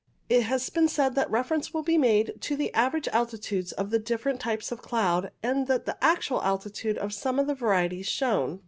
It has been said that reference will be made to the average altitudes of the different types of cloud, and to the actual altitude of some of the varieties shown.